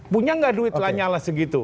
punya nggak duit lanyala segitu